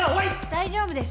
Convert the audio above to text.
大丈夫です。